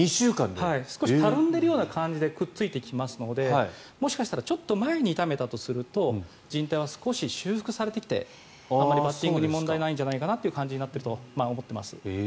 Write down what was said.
少したるんでるような感じでくっついてきますのでもしかしたらちょっと前に痛めたとするとじん帯は少し修復されてきてバッティングに問題ないのではと思います。